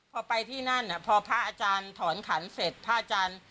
พอไปที่นั่นพอพระอาจารย์ถอนขันเสร็จพระอาจารย์